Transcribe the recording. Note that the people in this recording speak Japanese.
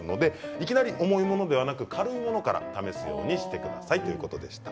いきなり重いものではなく軽いものから試すようにしてくださいということでした。